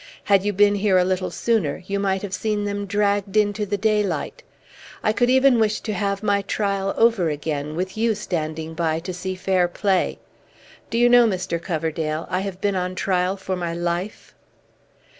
Had you been here a little sooner, you might have seen them dragged into the daylight. I could even wish to have my trial over again, with you standing by to see fair play! Do you know, Mr. Coverdale, I have been on trial for my life?"